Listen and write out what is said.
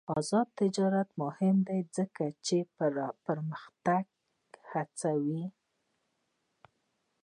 آزاد تجارت مهم دی ځکه چې پرمختګ هڅوي.